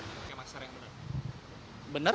pakai masker yang benar